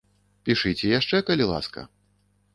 Пішыце яшчэ, калі ласка!